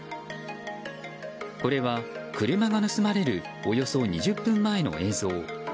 これは車が盗まれるおよそ２０分前の映像。